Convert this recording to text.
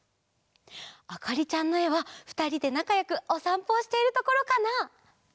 あかりちゃんのえはふたりでなかよくおさんぽをしているところかな？